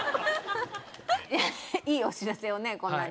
いいお知らせをねこんなに。